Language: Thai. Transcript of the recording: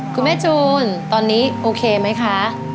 คุณแม่จูนตอนนี้โอเคไหมคะ